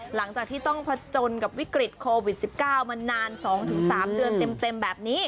หลังจากที่ต้องผจญกับวิกฤตโควิด๑๙มานาน๒๓เดือนเต็มแบบนี้